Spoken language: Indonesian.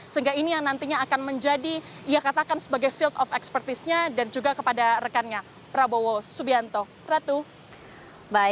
sehingga ini yang nantinya akan menjadi ia katakan sebagai field of expertise nya dan juga kepada rekannya prabowo subianto ratu